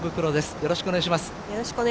よろしくお願いします。